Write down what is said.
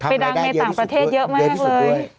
ดังในต่างประเทศเยอะมากเลย